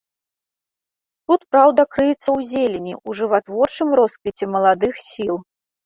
Тут праўда крыецца ў зелені, у жыватворчым росквіце маладых сіл.